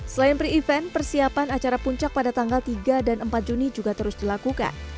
selain pre event persiapan acara puncak pada tanggal tiga dan empat juni juga terus dilakukan